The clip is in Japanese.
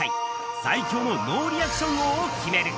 最強のノーリアクション王を決める。